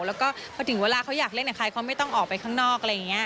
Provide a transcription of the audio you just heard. แล้วก็พอถึงเวลาเขาอยากเล่นกับใครเขาไม่ต้องออกไปข้างนอกอะไรอย่างนี้